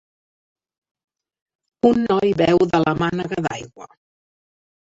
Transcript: Un noi beu de la mànega d'aigua.